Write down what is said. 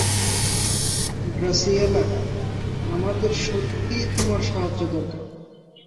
Graciela, আমাদের সত্যিই তোমার সাহায্য দরকার।